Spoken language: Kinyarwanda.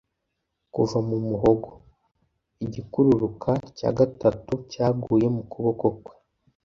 kuva mu muhogo. igikururuka cya gatatu cyaguye mu kuboko kwe